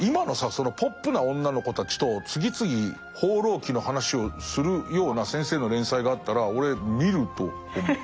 そのポップな女の子たちと次々「放浪記」の話をするような先生の連載があったら俺見ると思う。